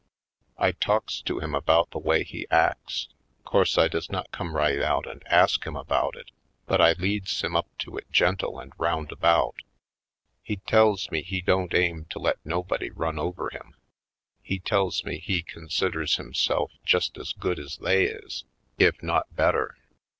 I talks to him about the way he acts. Course I does not come right out and ask him about it; but I leads him up to it gentle and roundabout. He tells me he don't aim to let nobody run over him. He tells me he considers himself just as good as they is, if 32 /. Poindexterj Colored not better.